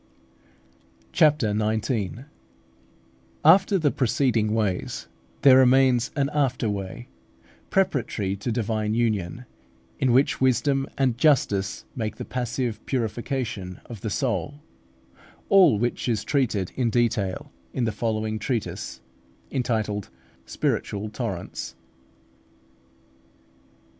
(Matt. xi. 25.) CHAPTER XIX. AFTER THE PRECEDING WAYS, THERE REMAINS AN AFTER WAY, PREPARATORY TO DIVINE UNION, IN WHICH WISDOM AND JUSTICE MAKE THE PASSIVE PURIFICATION OF THE SOUL, ALL WHICH IS TREATED IN DETAIL IN THE FOLLOWING TREATISE, ENTITLED "SPIRITUAL TORRENTS."